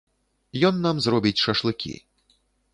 Ён нам зробіць шашлыкі.